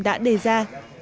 đã đề ra